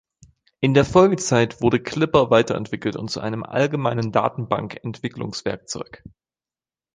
In der Folgezeit wurde Clipper weiterentwickelt und zu einem allgemeinen Datenbank-Entwicklungswerkzeug.